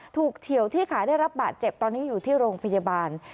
เฉียวที่ขาได้รับบาดเจ็บตอนนี้อยู่ที่โรงพยาบาล